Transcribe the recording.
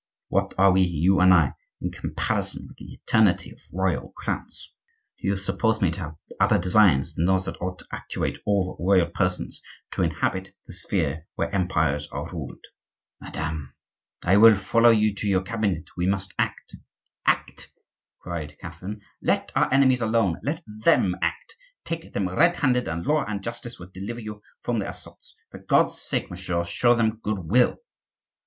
What are we, you and I, in comparison with the eternity of royal crowns? Do you suppose me to have other designs than those that ought to actuate all royal persons who inhabit the sphere where empires are ruled?" "Madame, I will follow you to your cabinet; we must act—" "Act!" cried Catherine; "let our enemies alone; let them act; take them red handed, and law and justice will deliver you from their assaults. For God's sake, monsieur, show them good will."